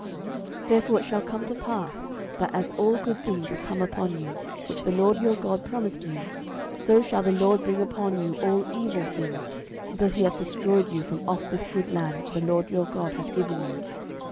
06:023:015 Therefore it shall come to pass, that as all good things are come upon you, which the LORD your God promised you; so shall the LORD bring upon you all evil things, until he have destroyed you from off this good land which the LORD your God hath given you.